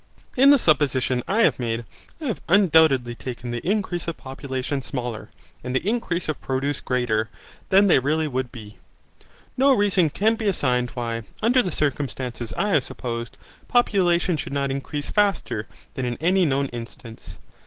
In the supposition I have made, I have undoubtedly taken the increase of population smaller, and the increase of produce greater, than they really would be. No reason can be assigned why, under the circumstances I have supposed, population should not increase faster than in any known instance.